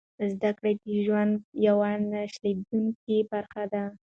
زده کړه د ژوند یوه نه شلېدونکې برخه ده.